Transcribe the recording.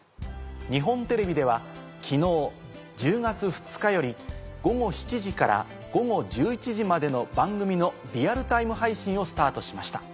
日本テレビでは昨日１０月２日より午後７時から午後１１時までの番組のリアルタイム配信をスタートしました。